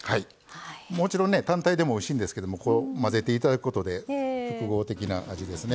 もちろん単体でもおいしいんですけど混ぜていただくことで複合的な味ですね。